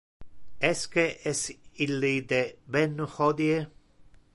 Esque es il ite ben hodie?